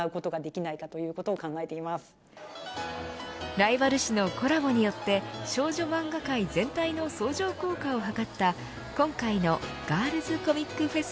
ライバル誌のコラボによって少女漫画界全体の相乗効果を図った今回のガールズコミックフェス。